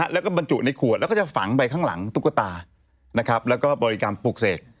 แล้วก็บริการปลูกเสก